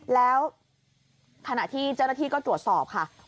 แล้วคณะที่เจ้าหน้าที่ก็ตรวจสอบค่ะคนละเมืองดี